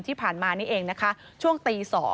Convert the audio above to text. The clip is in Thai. ที่ผ่านมานี่เองนะคะช่วงตี๒